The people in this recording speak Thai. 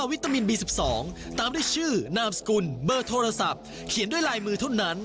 กฎิกาเป็นอย่างไรเอาไปดูจ้า